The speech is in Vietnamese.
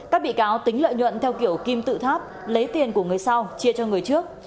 các bị cáo tính lợi nhuận theo kiểu kim tự tháp lấy tiền của người sau chia cho người trước